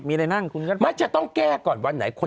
มันจะต้องแก้ก่อนผ่านไหน